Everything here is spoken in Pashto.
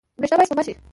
برښنا باید سپما شي